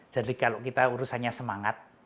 jadi kalau kita urusannya semangat